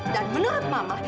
dan menurut mama